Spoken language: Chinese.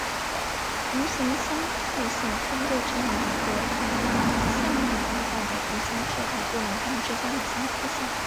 余弦相似性通过测量两个向量的夹角的余弦值来度量它们之间的相似性。